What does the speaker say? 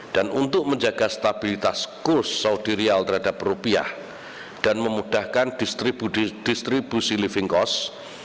dan untuk menjaga stabilitas kurs saudi rial terhadap rupiah dan memudahkan distribusi living cost